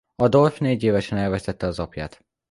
Adolf négyévesen elvesztette az apját.